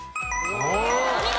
お見事。